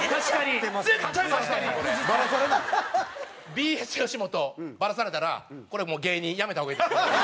ＢＳよしもとバラされたらこれもう芸人辞めた方がいいです。